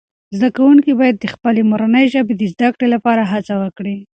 زده کوونکي باید د خپلې مورنۍ ژبې د زده کړې لپاره هڅه وکړي.